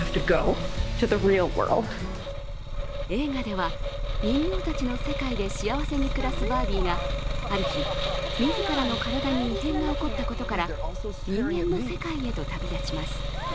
映画では人形たちの世界で幸せに暮らすバービーがある日、自らの体に異変が起こったことから人間の世界へと旅立ちます。